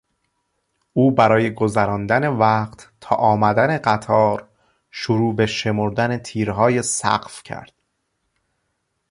او برای گذراندن وقت تا آمدن قطار شروع به شمردن تیرهای سقف کرد.